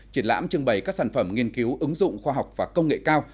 triển lãm trưng bày các sản phẩm nghiên cứu ứng dụng khoa học và công nghệ cao